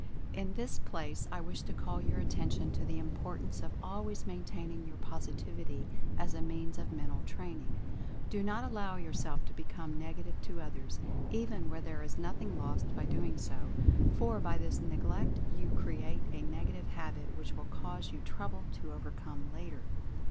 In this place I wish to call your attention to the importance of always maintaining your Positivity as a means of Mental Training. Do not allow yourself to become negative to others, even where there is nothing lost by so doing, for by this neglect you cre ate a negative habit which will cause you trouble to overcome later.